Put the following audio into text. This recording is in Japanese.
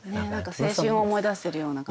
青春を思い出させるような感じの。